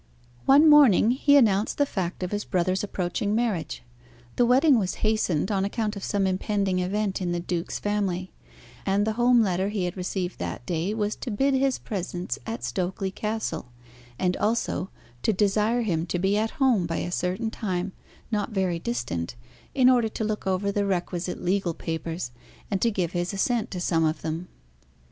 One morning he announced the fact of his brother's approaching marriage; the wedding was hastened on account of some impending event in the duke's family; and the home letter he had received that day was to bid his presence at Stokely Castle, and also to desire him to be at home by a certain time not very distant, in order to look over the requisite legal papers, and to give his assent to some of them.